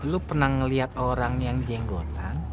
lu pernah melihat orang yang jenggotan